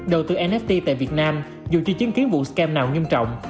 đầu tư nft tại việt nam dù chưa chứng kiến vụ skm nào nghiêm trọng